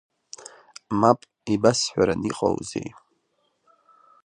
Мап, ибасҳәараны иҟоузеи?!